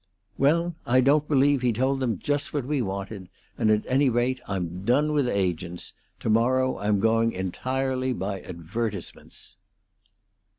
"Well, I don't believe he told them just what we wanted; and, at any rate, I'm done with agents. Tomorrow I'm going entirely by advertisements."